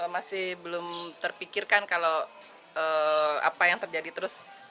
masih belum terpikirkan kalau apa yang terjadi terus